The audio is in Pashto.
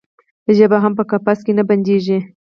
ژبه هم په قفس کې نه بندیږي.